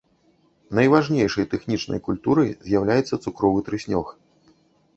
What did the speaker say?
Найважнейшай тэхнічнай культурай з'яўляецца цукровы трыснёг.